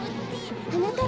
はなかっ